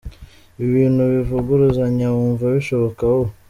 Ibi bintu bivuguruzanya wumva bishoboka wowe?